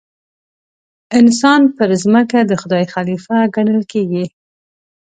انسان پر ځمکه د خدای خلیفه ګڼل کېږي.